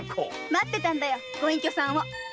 待ってたんだよご隠居さんを。